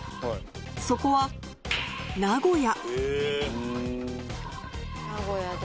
そこは名古屋で？